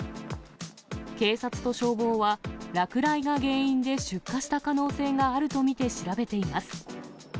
警察と消防は落雷が原因で出火した可能性があると見て調べています。